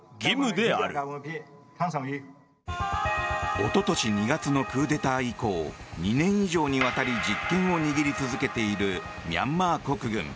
おととし２月のクーデター以降２年以上にわたり実権を握り続けているミャンマー国軍。